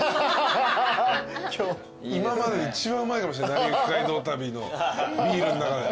今までで一番うまいかも『なりゆき街道旅』のビールの中で。